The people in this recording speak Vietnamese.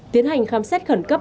tiến hành khám xét khẩn cấp